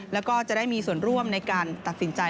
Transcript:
แล้วก็จะได้มีส่วนร่วมในการตัดสินใจ